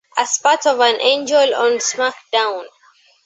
As part of an angle on SmackDown!